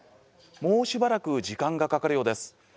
もうしばらく時間がかかるようです。